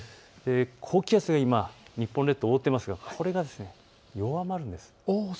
高気圧が今、日本列島を覆っていますがこれが弱まるんです。